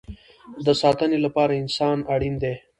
د ساتنې لپاره انسان اړین دی